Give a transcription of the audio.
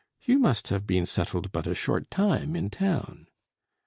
You must have been settled but a short time in town."